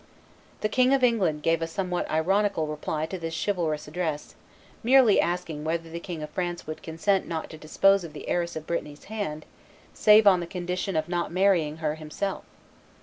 The King of England gave a somewhat ironical reply to this chivalrous address, merely asking whether the King of France would consent not to dispose of the heiress of Brittany's hand, save on the condition of not marrying her himself.